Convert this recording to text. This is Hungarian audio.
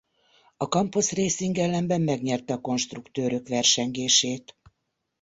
A Campos Racing ellenben megnyerte a konstruktőrök versengését.